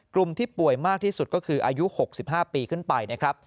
กลุ่มที่ป่วยมากที่สุดก็คืออายุ๖๕ปีขึ้นไปนะครับ